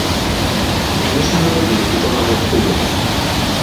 Emisango gino gikoma mu kkubo.